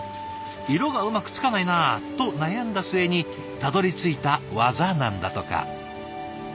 「色がうまくつかないな」と悩んだ末にたどりついた技なんだとか。